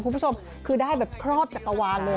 คุณผู้ชมคือได้แบบครอบจักรวาลเลย